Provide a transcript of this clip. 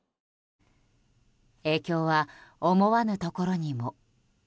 影響は思わぬところにも。